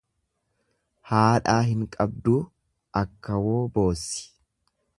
Haadhaa hin qabduu akkawoo boossi.